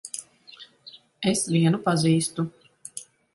Es vienu pazīstu.